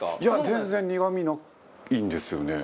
全然、苦みないんですよね。